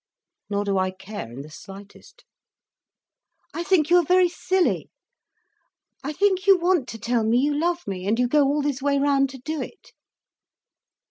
"Nor do I care in the slightest." "I think you are very silly. I think you want to tell me you love me, and you go all this way round to do it."